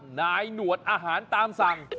นายหนวดอาหารตามสั่ง